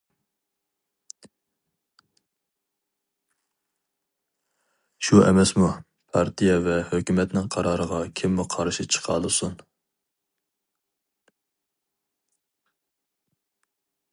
شۇ ئەمەسمۇ، پارتىيە ۋە ھۆكۈمەتنىڭ قارارىغا كىممۇ قارشى چىقالىسۇن.